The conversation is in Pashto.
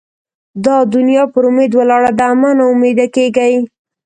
دا دونیا پر اُمید ولاړه ده؛ مه نااميده کېږئ!